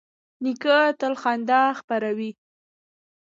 نیکه تل خندا خپروي.